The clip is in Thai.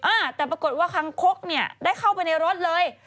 อ่าแต่ปรากฏว่าคังคกเนี่ยได้เข้าไปในรถเลย